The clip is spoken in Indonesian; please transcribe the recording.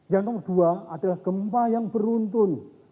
yang nomor dua adalah gempa yang beruntun